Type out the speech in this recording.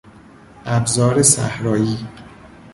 ابزار صحرایی